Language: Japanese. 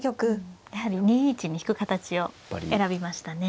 やはり２一に引く形を選びましたね。